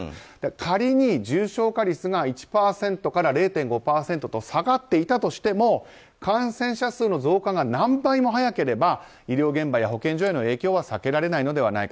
仮に重症化率が１％から０．５％と下がっていたとしても感染者数の増加が何倍も早ければ医療現場や保健所への影響は避けられないのではないか。